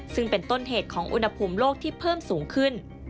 ซึ่งเป็นต้นเหตุของอุณหภูมิโลกที่เพิ่มสูงขึ้น